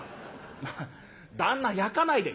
「まあ旦那やかないで」。